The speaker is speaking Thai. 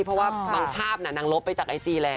เพราะว่าบางภาพนางลบไปจากไอจีแล้ว